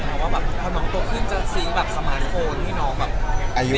ถ้ามองตัวขึ้นจะซิงแบบสมาร์ทโคลนที่น้องแบบ